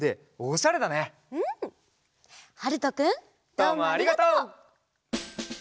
どうもありがとう！